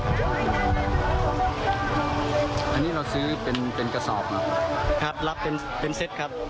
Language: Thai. อันนี้เราซื้อเป็นเป็นกระสอบครับรับเป็นเป็นเซตครับ